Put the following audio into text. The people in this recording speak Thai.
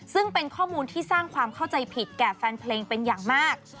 ซึ่งเป็นข้อมูลที่สร้างความเข้าใจผิดแก่แฟนเพลงเป็นอย่างมาก